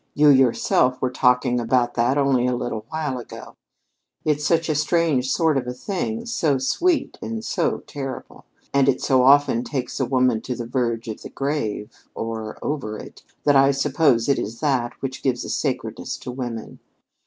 You yourself were talking about that only a little while ago. It's such a strange sort of a thing, so sweet and so terrible, and it so often takes a woman to the verge of the grave, or over it, that I suppose it is that which gives a sacredness to women.